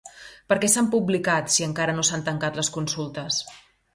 Per què s'han publicat si encara no s'han tancat les consultes?